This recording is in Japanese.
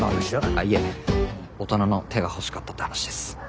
あっいえ大人の手が欲しかったって話です。